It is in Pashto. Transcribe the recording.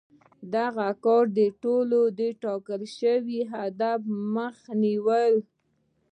دغه کار د تولید د ټاکل شوي هدف مخه نیوله.